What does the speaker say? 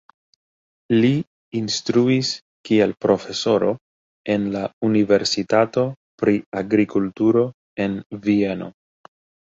Li instruis kiel profesoro en la Universitato pri agrikulturo en Vieno.